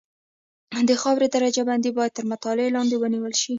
د خاورې درجه بندي باید تر مطالعې لاندې ونیول شي